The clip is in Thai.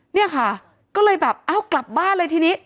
เนี่ยค่ะก็เลยแบบอ้าวกลับบ้านเลยทีนี้